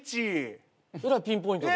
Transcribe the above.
えらいピンポイントで。